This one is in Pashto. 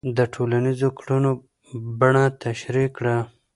د ټولنیزو کړنو بڼه تشریح کړه.